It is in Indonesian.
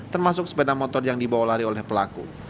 termasuk sepeda motor yang dibawa lari oleh pelaku